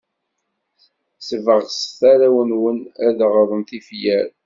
Sbeɣset arraw-nwen ad d-ɣren tifyar.